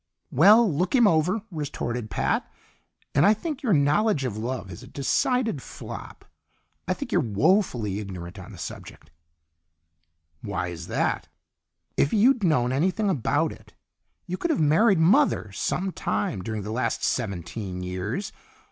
"Well, look him over," retorted Pat. "And I think your knowledge of love is a decided flop. I think you're woefully ignorant on the subject." "Why's that?" "If you'd known anything about it, you could have married mother some time during the last seventeen years.